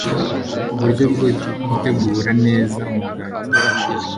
uburyo bwo gutegura neza umugati.